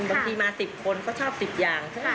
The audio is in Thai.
บางทีมา๑๐คนก็ชอบ๑๐อย่าง